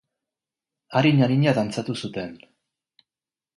Arin-arina dantzatu zuten.